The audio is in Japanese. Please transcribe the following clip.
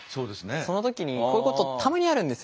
その時にこういうことたまにあるんですよね何か。